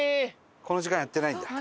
この時間やってないんだ。